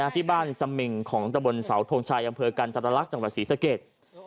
ที่บ้านสมิงของตะบนเสาทงชัยอำเภอกันตรลักษณ์จังหวัดศรีสเกต